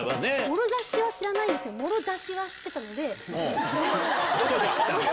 もろ差しは知らないんですけどモロ出しは知ってたので。